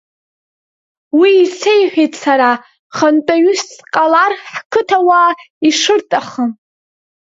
Уи исеиҳәеит сара хантәаҩыс сҟалар ҳқыҭауаа ишырҭахым.